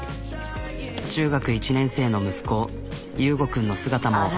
中学１年生の息子悠吾君の姿も。